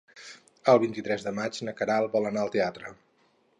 El vint-i-tres de maig na Queralt vol anar al teatre.